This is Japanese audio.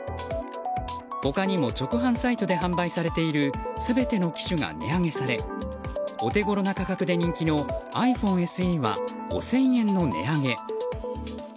他にも直販サイトで販売されている全ての機種が値上げされお手ごろな価格で人気のｉＰｈｏｎｅＳＥは５０００円の値上げ。